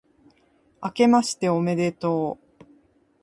あけましておめでとう